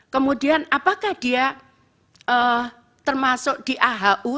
kemudian apakah dia termasuk di ahu